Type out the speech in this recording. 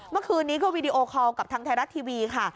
เมื่อคืนนี้ก็วีดีโอคอลกับทางไทยรัฐทีวีค่ะ